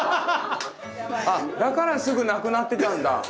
あっだからすぐ無くなってたんだ。